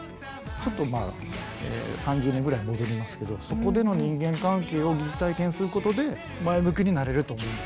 ちょっとまあ３０年ぐらい戻りますけどそこでの人間関係を疑似体験することで前向きになれると思うんですよ。